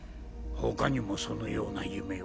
他にもそのような夢を？